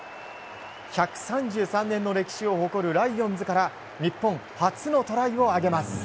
１３３年の歴史を誇るライオンズから日本、初のトライを挙げます。